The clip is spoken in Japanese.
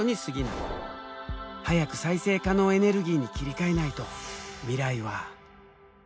早く再生可能エネルギーに切り替えないと未来は。